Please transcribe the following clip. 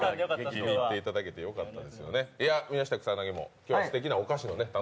気に入っていただけてよかった。